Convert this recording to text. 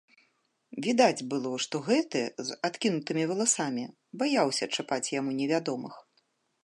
Відаць было, што гэты, з адкінутымі валасамі, баяўся чапаць яму невядомых.